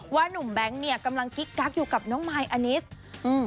หนุ่มแบงค์เนี่ยกำลังกิ๊กกักอยู่กับน้องมายอานิสอืม